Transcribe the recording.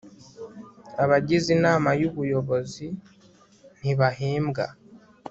abagize inama y ubuyobozi ntibahembwa